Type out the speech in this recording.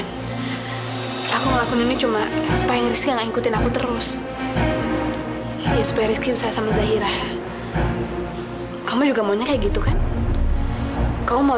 sampai jumpa di video selanjutnya